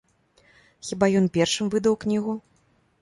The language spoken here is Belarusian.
Хіба ён першым выдаў кнігу?